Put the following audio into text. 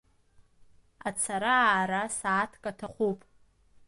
Ацара-аара сааҭк аҭахуп.